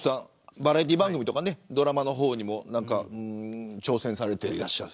バラエティー番組とかドラマの方にも挑戦されていらっしゃる。